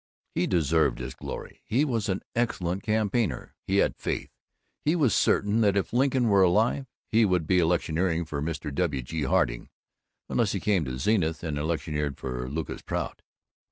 He deserved his glory. He was an excellent campaigner. He had faith; he was certain that if Lincoln were alive, he would be electioneering for Mr. W. G. Harding unless he came to Zenith and electioneered for Lucas Prout.